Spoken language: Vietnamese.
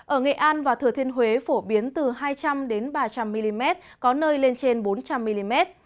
ở nghệ an và thừa thiên huế phổ biến từ hai trăm linh ba trăm linh mm có nơi lên trên bốn trăm linh mm